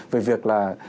về việc là